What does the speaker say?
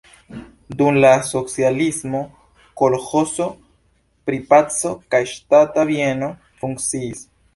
Dum la socialismo kolĥozo pri "Paco" kaj ŝtata bieno funkciis.